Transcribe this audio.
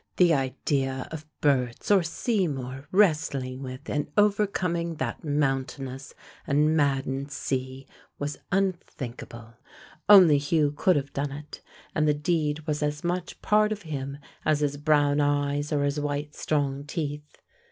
The idea of Berts or Seymour wrestling with and overcoming that mountainous and maddened sea was unthinkable. Only Hugh could have done it, and the deed was as much part of him as his brown eyes or his white strong teeth.